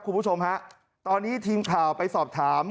คุณผู้ชมฮะตอนนี้ทีมข่าวไปสอบถาม